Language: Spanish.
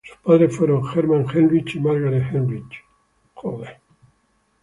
Sus padres fueron "Hermann Heinrich" y "Margaret Heinrich".